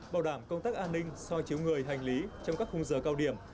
bảo đảm công tác an ninh so chứa người hành lý trong các khung giờ cao điểm